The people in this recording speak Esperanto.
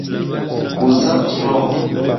uzantnomo